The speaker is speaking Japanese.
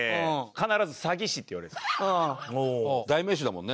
代名詞だもんね。